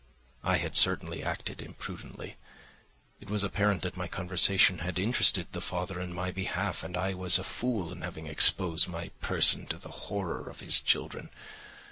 I had certainly acted imprudently. It was apparent that my conversation had interested the father in my behalf, and I was a fool in having exposed my person to the horror of his children.